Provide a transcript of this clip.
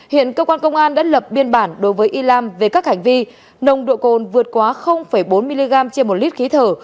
hiện cơ quan công an đã lập biên bản đối với i lam về các hành vi nồng độ cồn vượt quá bốn mg trên một lít khí thở